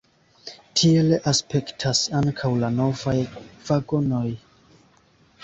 Tiel aspektas ankaŭ la novaj vagonoj.